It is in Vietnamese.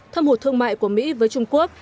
thâm hụt thương mại của mỹ với trung quốc